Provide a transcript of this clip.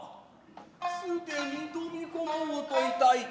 既に飛び込もうと致いた。